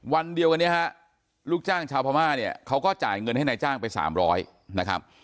วันเดียวกันเนี่ยลูกจ้างชาวพระม่าเขาก็จ่ายเงินขายให้จ้างไป๓๐๐นะครับ